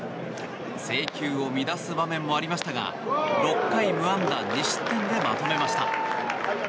制球を乱す場面もありましたが６回無安打２失点でまとめました。